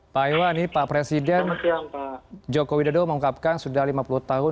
pak iwan ini pak presiden joko widodo mengungkapkan sudah lima puluh tahun